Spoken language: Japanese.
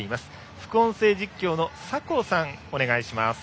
副音声実況の酒匂さん、お願いします。